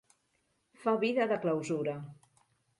Fa vida de clausura.